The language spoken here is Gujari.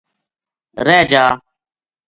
رہ جا